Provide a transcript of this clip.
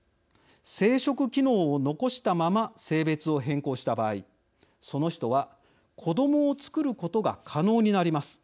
生殖機能を残したまま性別を変更した場合その人は子どもをつくることが可能になります。